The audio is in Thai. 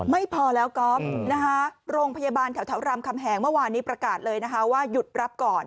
ไม่พอแล้วก๊อฟนะคะโรงพยาบาลแถวรามคำแหงเมื่อวานนี้ประกาศเลยนะคะว่าหยุดรับก่อน